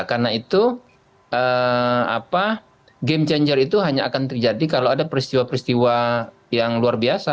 karena itu game changer itu hanya akan terjadi kalau ada peristiwa peristiwa yang luar biasa